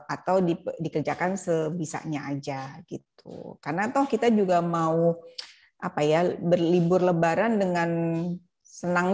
atau dikerjakan sebisanya aja gitu karena toh kita juga mau apa ya berlibur lebaran dengan senang